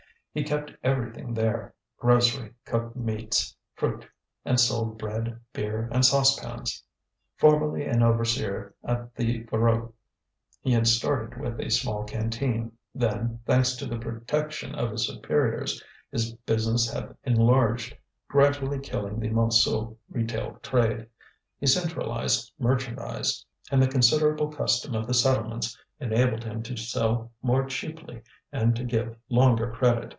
He kept everything there, grocery, cooked meats, fruit, and sold bread, beer, and saucepans. Formerly an overseer at the Voreux, he had started with a small canteen; then, thanks to the protection of his superiors, his business had enlarged, gradually killing the Montsou retail trade. He centralized merchandise, and the considerable custom of the settlements enabled him to sell more cheaply and to give longer credit.